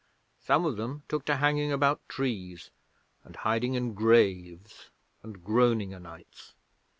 Some of them took to hanging about trees, and hiding in graves and groaning o' nights.